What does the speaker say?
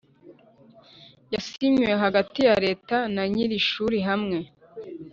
yasinywe hagati ya Leta na nyir ishuri hamwe